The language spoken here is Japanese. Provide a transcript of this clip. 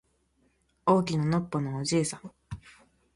大きなのっぽのおじいさん